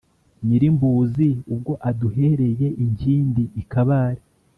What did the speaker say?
Nyimbuzi ubwo aduhereye inkindi i Kabare,